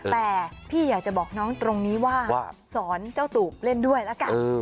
แต่พี่อยากจะบอกน้องตรงนี้ว่าสอนเจ้าตูบเล่นด้วยละกัน